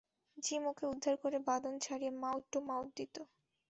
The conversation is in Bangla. জিম ওকে উদ্ধার করে বাঁধন ছাড়িয়ে মাউথ টু মাউথ দিত।